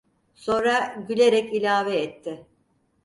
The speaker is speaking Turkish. Sonra gülerek ilave etti: